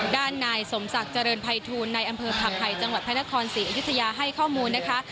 ด้านนายสมศักดิ์เจริญภัยทูลในอำเภอผักไห่จังหวัดพระนครศรีอยุธยาให้ข้อมูลนะคะ